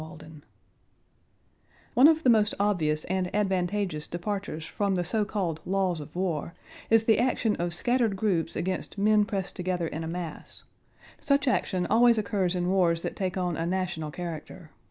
CHAPTER II One of the most obvious and advantageous departures from the so called laws of war is the action of scattered groups against men pressed together in a mass. Such action always occurs in wars that take on a national character.